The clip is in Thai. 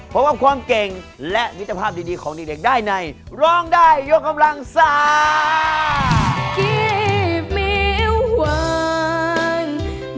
พบกับความเก่งและวิธีภาพดีของนิดเด็กได้ในร้องได้ยกกำลังสาร